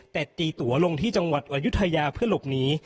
เต็ดจีตั๋วลงในจังหวัดอวยุธัยาเพื่อหลบหนี